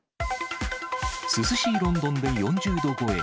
涼しいロンドンで４０度超え。